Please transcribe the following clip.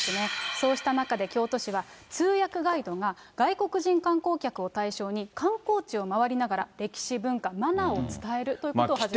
そうした中で、京都市は、通訳ガイドが、外国人観光客を対象に観光地を回りながら、歴史、文化、マナーを伝えるということを始めたそうです。